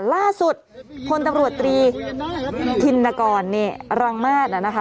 ล่าสุดพนธ์ตำรวจปรีทำนกกันนี่ร้างมาทน่ะนะคะ